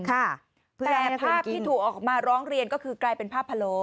แต่ภาพที่ถูกออกมาร้องเรียนก็คือกลายเป็นภาพพะโล